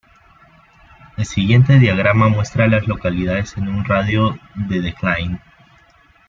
El siguiente diagrama muestra a las localidades en un radio de de Kline.